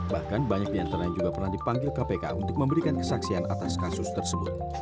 bahkan banyak diantaranya juga pernah dipanggil kpk untuk memberikan kesaksian atas kasus tersebut